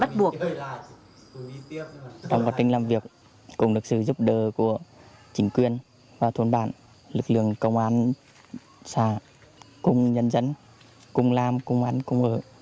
trong quá trình làm việc cùng được sự giúp đỡ của chính quyền và thôn bản lực lượng công an xã cùng nhân dân cùng làm cùng ăn cùng ở